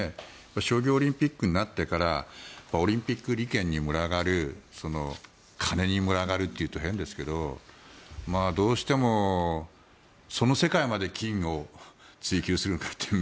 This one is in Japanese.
商業オリンピックになってからオリンピック利権に群がる金に群がるというと変ですけどどうしても、その世界まで金を追求するのかという。